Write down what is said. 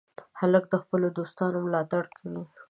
هلک د خپلو دوستانو ملاتړ کوي.